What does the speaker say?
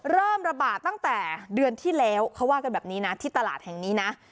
เริ่มระบาดตั้งแต่เดือนที่แล้วเขาว่ากันแบบนี้นะที่ตลาดแห่งนี้นะ